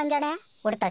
おれたち。